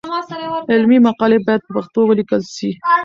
علمي مقالې باید په پښتو ولیکل شي.